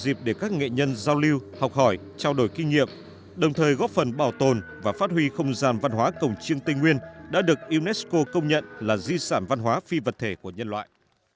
dịp để các nghệ nhân giao lưu học hỏi trao đổi kinh nghiệm đồng thời góp phần bảo tồn và phát huy không gian văn hóa cổng chiêng tây nguyên đã được unesco công nhận là di sản văn hóa phi vật thể của nhân loại